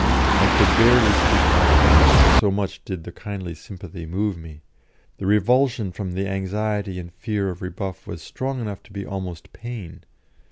I could barely speak my thanks, so much did the kindly sympathy move me; the revulsion from the anxiety and fear of rebuff was strong enough to be almost pain.